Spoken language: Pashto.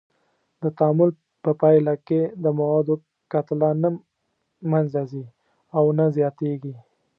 د تعامل په پایله کې د موادو کتله نه منځه ځي او نه زیاتیږي.